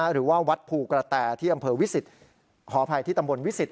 หรือว่าวัดภูกระแตที่อำเภอวิสิตขออภัยที่ตำบลวิสิต